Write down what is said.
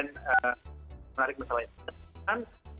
dan menarik masalahnya